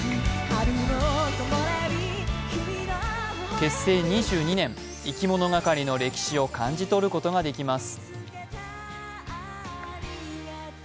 結成２２年、いきものがかりの歴史を感じ取ることができます。